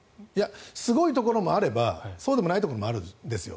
すごいところもあればそうでもないところもあるんですよ。